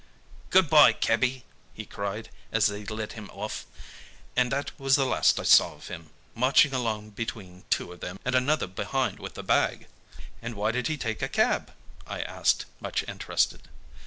"'Good bye, cabby,' he cried, as they led him off, and that was the last I saw of him, marching along between two of them, and another behind with the bag." "And why did he take a cab?" I asked, much interested.